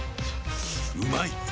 うまい！